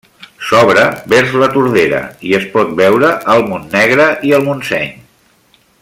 S'obre vers la Tordera i es pot veure el Montnegre i el Montseny.